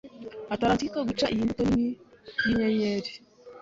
Atalantika guca iyi mbuto nini yinyenyeri